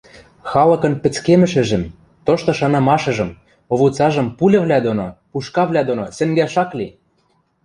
Халыкын пӹцкемӹшӹжӹм, тошты шанымашыжым, овуцажым пульывлӓ доно, пушкавлӓ доно сӹнгӓш ак ли!